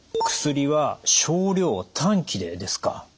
「薬は少量・短期」でですか。